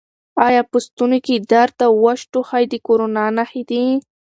آیا په ستوني کې درد او وچ ټوخی د کرونا نښې دي؟